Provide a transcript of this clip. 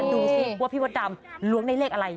ดูสิว่าพี่มดดำล้วงได้เลขอะไร